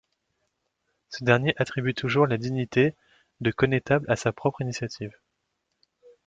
Ce dernier attribue toujours la dignité de connétable à sa propre initiative.